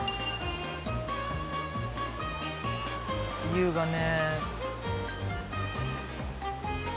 優雅ね。